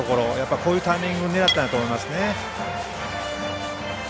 こういうタイミングを狙ったんだと思います。